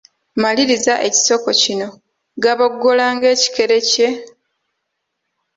Maliriza ekisoko kino: Gaboggola ng'ekikere kye ...